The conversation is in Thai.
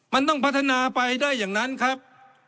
มันต้องพัฒนาไปได้อย่างนั้นครับ